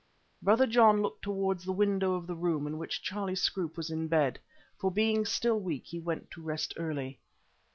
Brother John looked towards the window of the room in which Charlie Scroope was in bed, for being still weak he went to rest early.